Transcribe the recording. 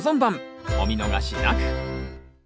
お見逃しなく！